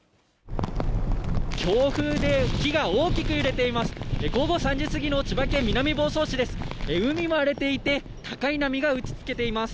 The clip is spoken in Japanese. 強風で木が大きく揺れています。